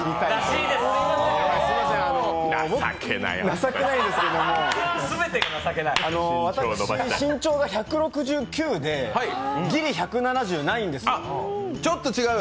情けないですけども、私、身長が１６９でギリ１７０ないんですよ。